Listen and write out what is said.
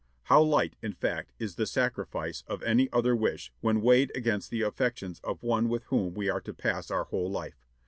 How light, in fact, is the sacrifice of any other wish when weighed against the affections of one with whom we are to pass our whole life.